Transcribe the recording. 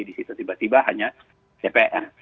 di situ tiba tiba hanya dpr